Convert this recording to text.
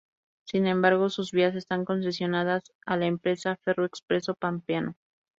Sin embargo sus vías están concesionadas a la empresa FerroExpreso Pampeano.